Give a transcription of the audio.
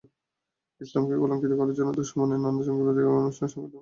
ইসলামকে কলঙ্কিত করার জন্যই দুশমনেরা নানা জঙ্গিবাদী সংগঠনের নামে সন্ত্রাসী কর্মকাণ্ড চালাচ্ছে।